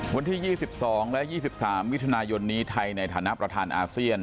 วันที่๒๒และ๒๓มิถุนายนนี้ไทยในฐานะประธานอาเซียน